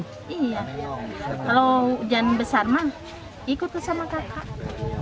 iya kalau hujan besar ikut sama kakak